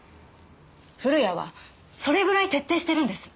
古谷はそれぐらい徹底してるんです。